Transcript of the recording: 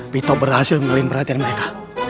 bito berhasil mengalami perhatian mereka